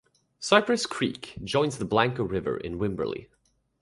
Cypress Creek joins the Blanco River in Wimberley.